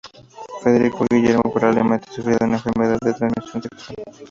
Federico Guillermo probablemente sufría de una enfermedad de transmisión sexual.